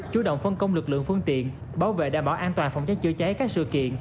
chủ động phân công lực lượng phương tiện bảo vệ đảm bảo an toàn phòng cháy chữa cháy các sự kiện